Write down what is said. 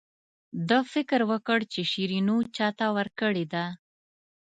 ده فکر وکړ چې شیرینو چاته ورکړې ده.